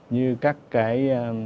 như các cái